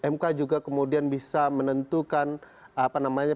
mk juga kemudian bisa menentukan apa namanya